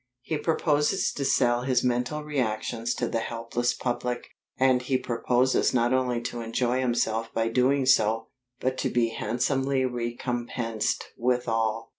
He proposes to sell his mental reactions to the helpless public, and he proposes not only to enjoy himself by so doing, but to be handsomely recompensed withal.